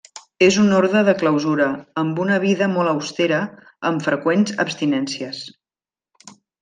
És un orde de clausura, amb una vida molt austera, amb freqüents abstinències.